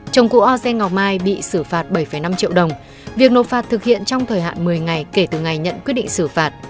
chồng cụ oz ngọc mai bị xử phạt bảy năm triệu đồng việc nộp phạt thực hiện trong thời hạn một mươi ngày kể từ ngày nhận quyết định xử phạt